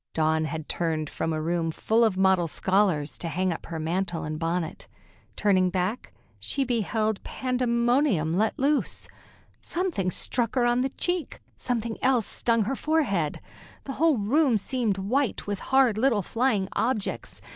Dawn had turned from a room full of model scholars, to hang up her mantle and bonnet. Turning back, she beheld pandemonium let loose. Something struck her on the cheek, something else stung her forehead. The whole room seemed white with hard little flying objects.